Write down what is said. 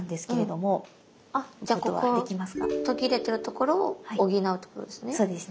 あじゃあここ途切れてるところを補うってことですね？